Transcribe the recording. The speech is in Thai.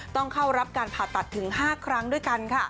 ต้องเข้ารับการผ่าตัดถึง๕ครั้งด้วยกันค่ะ